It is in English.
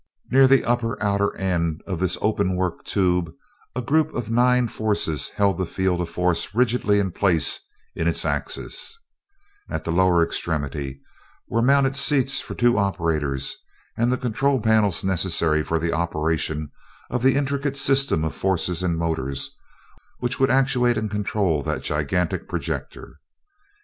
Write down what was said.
Near the upper, outer end of this openwork tube a group of nine forces held the field of force rigidly in place in its axis; at the lower extremity were mounted seats for two operators and the control panels necessary for the operation of the intricate system of forces and motors which would actuate and control that gigantic projector.